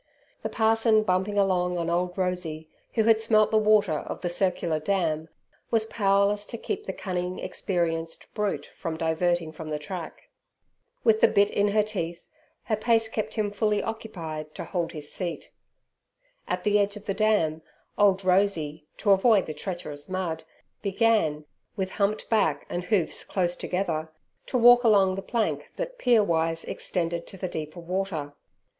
The parson bumping along on old Rosey, who had smelt the water of the "Circler Dam", was powerless to keep the cunning experienced brute from diverting from the track. With the bit in her teeth, her pace kept him fully occupied to hold his seat. At the edge of the Dam, old Rosey, to avoid the treacherous mud, began, with humped back and hoofs close together, to walk along the plank that pier wise extended to the deeper water.